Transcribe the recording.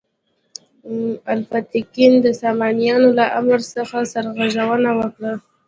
الپتکین د سامانیانو له امر څخه سرغړونه وکړه.